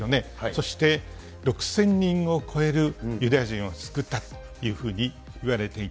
そして、６０００人を超えるユダヤ人を救ったというふうにいわれていて。